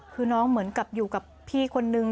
คือน้องเหมือนกับอยู่กับพี่คนนึง